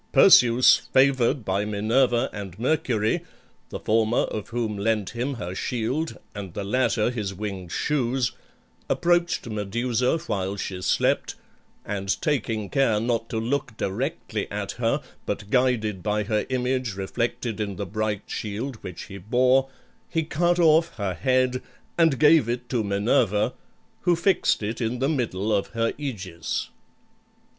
Perseus, favored by Minerva and Mercury, the former of whom lent him her shield and the latter his winged shoes, approached Medusa while she slept, and taking care not to look directly at her, but guided by her image reflected in the bright shield which he bore, he cut off her head and gave it to Minerva, who fixed it in the middle of her Aegis.